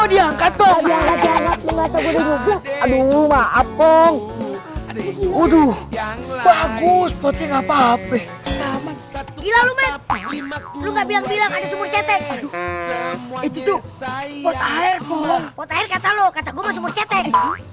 lu nggak bilang bilang ada sumur cetek itu tuh pota air kumong pota air kata lo kata gua sumur cetek